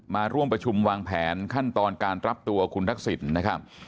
มาร่วมประชุมวางแผนขั้นตอนการรับตัวคุณทักษิณนะครับ